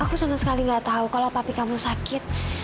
aku sama sekali gak tau kalau papi kamu sakit